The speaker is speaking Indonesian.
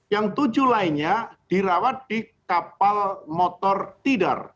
yang tujuh lainnya dirawat di kapal motor tidar